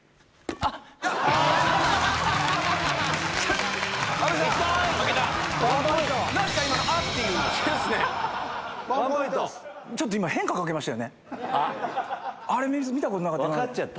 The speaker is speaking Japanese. あれ見たことなかった。